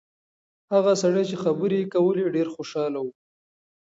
هغه سړی چې خبرې یې کولې ډېر خوشاله و.